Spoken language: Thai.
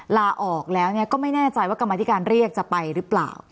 ลาออกแล้วก็ไม่แน่ใจว่ากรรมธิการเรียกจะไปหรือเปล่า